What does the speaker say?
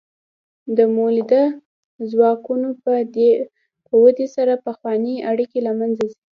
د مؤلده ځواکونو په ودې سره پخوانۍ اړیکې له منځه ځي.